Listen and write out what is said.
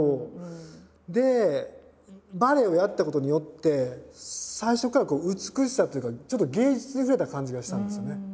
でバレエをやったことによって最初から美しさというかちょっと芸術に触れた感じがしたんですよね